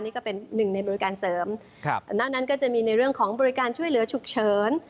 นี่ก็เป็นหนึ่งในบริการเสริมครับนอกนั้นก็จะมีในเรื่องของบริการช่วยเหลือฉุกเฉิน